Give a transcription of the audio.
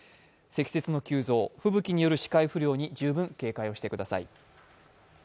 積雪の急増、吹雪による視界不良に十分警戒をしてください。